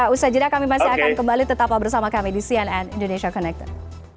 usaha jeda kami masih akan kembali tetaplah bersama kami di cnn indonesia connected